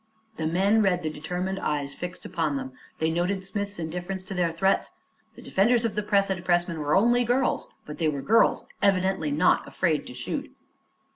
The men read the determined eyes fixed upon them; they noted Smith's indifference to their threats. The defenders of the press and pressman were only girls, but they were girls evidently not afraid to shoot.